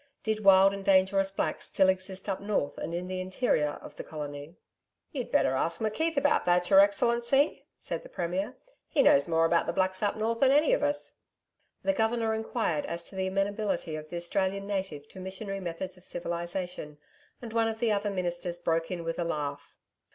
Did wild and dangerous Blacks still exist up north and in the interior of the Colony? 'You'd better ask McKeith about that, your Excellency,' said the Premier. 'He knows more about the Blacks up north than any of us.' The Governor enquired as to the amenability of the Australian native to missionary methods of civilisation, and one of the other Ministers broke in with a laugh.